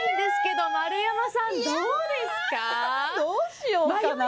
どうしようかな。